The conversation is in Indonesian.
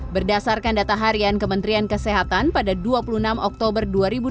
berdasarkan data harian kementerian kesehatan pada dua puluh enam oktober dua ribu dua puluh